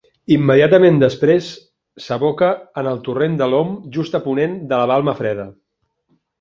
Immediatament després s'aboca en el torrent de l'Om just a ponent de la Balma Freda.